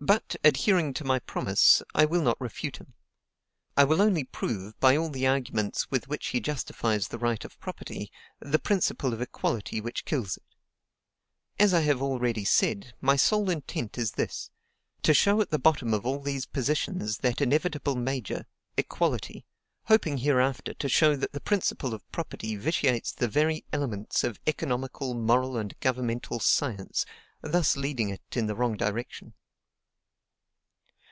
But, adhering to my promise, I will not refute him. I will only prove, by all the arguments with which he justifies the right of property, the principle of equality which kills it. As I have already said, my sole intent is this: to show at the bottom of all these positions that inevitable major, EQUALITY; hoping hereafter to show that the principle of property vitiates the very elements of economical, moral, and governmental science, thus leading it in the wrong direction.